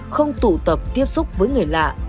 không tụ tập tiếp xúc với người lạ